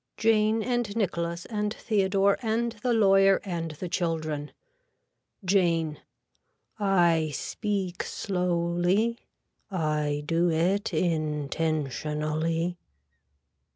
(Jane and Nicholas and Theodore and the lawyer and the children.) (Jane.) I speak slowly. I do it intentionally.